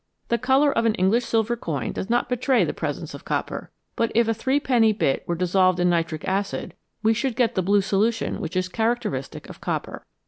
The colour of an English silver coin does not betray the presence of copper, but if a three penny bit were dissolved in nitric acid we should get the blue solution which is characteristic of copper.